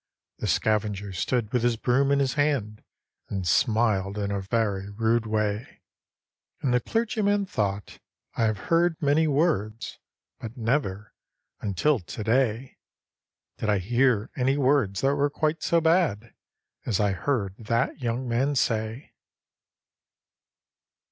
The scavenger stood with his broom in his hand, And smiled in a very rude way; And the clergyman thought, 'I have heard many words, But never, until to day, Did I hear any words that were quite so bad As I heard that young man say.'